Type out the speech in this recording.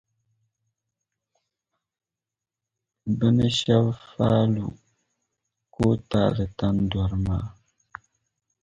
bɛ ni shɛb’ faai lu kootaali tandɔri maa.